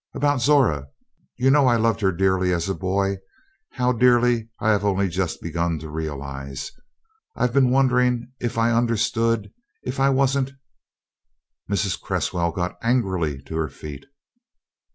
"About Zora. You know I loved her dearly as a boy how dearly I have only just begun to realize: I've been wondering if I understood if I wasn't " Mrs. Cresswell got angrily to her feet.